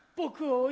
おい！